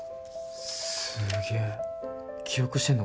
すげえ記憶してんの？